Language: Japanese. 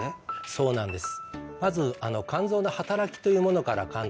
そうなんです